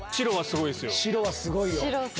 白はすごいですよ。